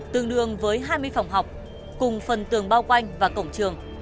tương đương với hai mươi phòng học cùng phần tường bao quanh và cổng trường